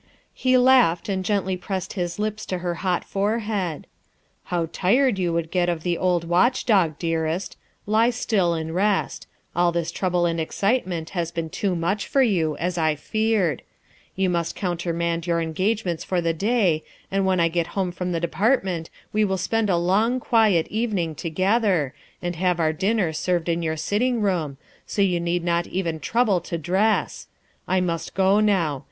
'' He laughed and gently pressed his lips to her hot fore head. " How tired you would get of the old watch dog, dearest. Lie still and rest. All this trouble and excite ment has been too much for you, as I feared. You must countermand your engagements for the day, and when I get home from the Department we will spend a long, quiet evening together, and have our dinner served in your sitting room, so you need not even trouble to THE SECRETARY OF STATE 327 dress. I must go now.